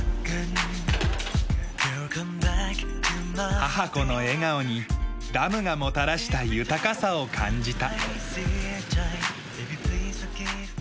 母子の笑顔にダムがもたらした豊かさを感じた。